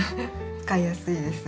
使いやすいです